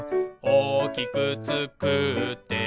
「おおきくつくって」